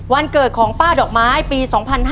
วันเกิดของป้าดอกไม้ปี๒๕๕๙